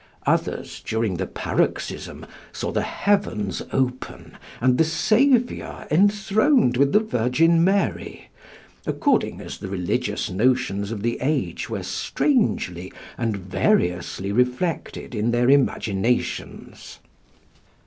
Others, during the paroxysm, saw the heavens open and the Saviour enthroned with the Virgin Mary, according as the religious notions of the age were strangely and variously reflected in their imaginations.